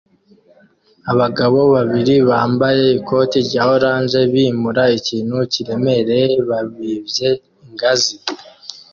Abagabo babiri bambaye ikoti rya orange bimura ikintu kiremereye babibye ingazi